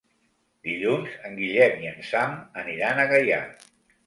Dilluns en Guillem i en Sam aniran a Gaià.